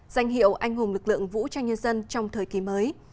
danh hiệu anh hùng lực lượng vũ trang nhân dân trong thời kỳ mới